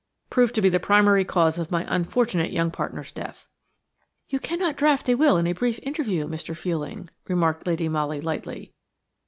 proved to be the primary cause of my unfortunate young partner's death." "You cannot draft a will in a brief interview, Mr. Fuelling," remarked Lady Molly, lightly.